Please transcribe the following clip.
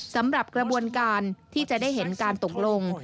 สำหรับกระบวนการที่จะได้เห็นการตกลง